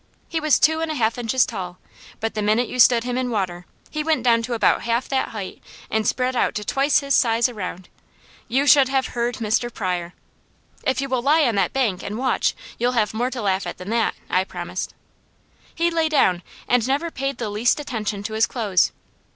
He was two and a half inches tall; but the minute you stood him in water he went down to about half that height and spread out to twice his size around. You should have heard Mr. Pryor. "If you will lie on the bank and watch you'll have more to laugh at than that," I promised. He lay down and never paid the least attention to his clothes.